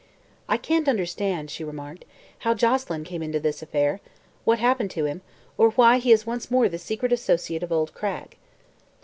"I can't understand," she remarked, "how Joselyn came into this affair, what happened to him, or why he is once more the secret associate of old Cragg."